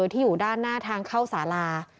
ที่อยู่ด้านหน้าทางเข้าสาลา